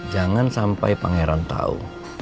jangan sampai pangeran tau